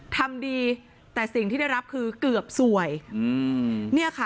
ทำดีแต่สิ่งที่ได้รับคือเกือบสวยอืมเนี่ยค่ะ